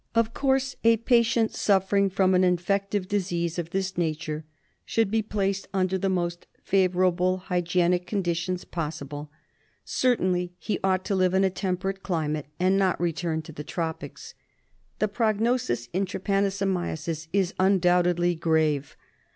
Of course a patient suffering from an infective disease of this nature should be placed under the most favourable hygienic conditions possible ; certainly he ought to live in a temperate climate, and not return to the tropics. The prognosis in trypanosomiasis is undoubtedly grave.